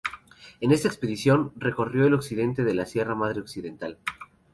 En esta expedición, recorrió el occidente de la Sierra Madre Occidental.